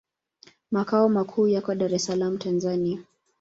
Makao makuu yako Dar es Salaam, Tanzania.